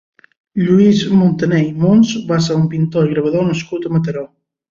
Lluís Muntané i Muns va ser un pintor i gravador nascut a Mataró.